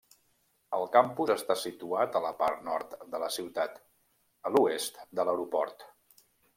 El campus està situat a la part nord de la ciutat, a l'oest de l'aeroport.